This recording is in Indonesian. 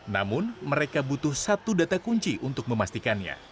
namun mereka butuh satu data kunci untuk memastikannya